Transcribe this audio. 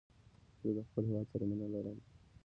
زه د خپل هېواد سره مینه لرم.